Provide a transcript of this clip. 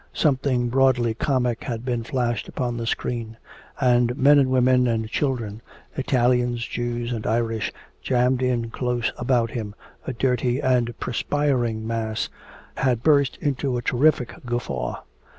Something broadly comic had been flashed upon the screen; and men and women and children, Italians, Jews and Irish, jammed in close about him, a dirty and perspiring mass, had burst into a terrific guffaw.